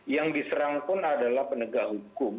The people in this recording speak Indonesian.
yang diserang pun adalah penegak hukum